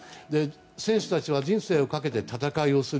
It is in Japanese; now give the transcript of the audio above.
選手たちは人生をかけて戦いをする。